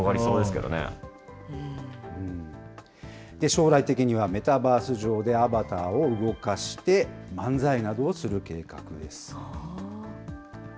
将来的には、メタバース上でアバターを動かして、漫才などをする計画です。